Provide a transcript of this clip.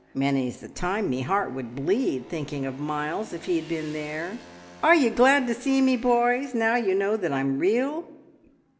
Many's the time me heart would bleed, thinking of Miles if he'd been there. Are ye glad to see me, boys, now you know that I'm real?"